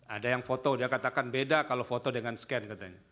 ada yang foto dia katakan beda kalau foto dengan scan katanya